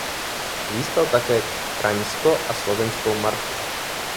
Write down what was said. Získal také Kraňsko a Slovinskou marku.